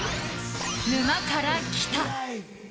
「沼から来た。」。